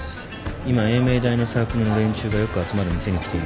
今栄明大のサークルの連中がよく集まる店に来ています。